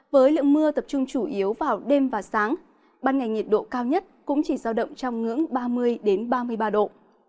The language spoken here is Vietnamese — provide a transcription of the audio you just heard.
với lượng mưa tập trung chủ yếu vào đêm và sáng ban ngày nhiệt độ cao nhất cũng chỉ giao động trong ngưỡng ba mươi ba mươi ba độ